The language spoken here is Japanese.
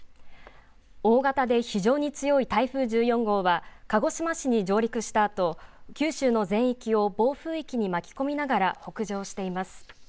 大型で非常に強い台風１４号は鹿児島市に上陸したあと、九州の全域を暴風域に巻き込みながら、北上しています。